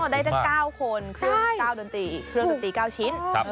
ได้จาก๙คนเครื่องดนตรี๙ชิ้น